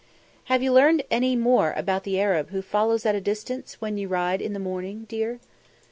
"Have you learned any more about the Arab who follows at a distance when you ride in the morning, dear?"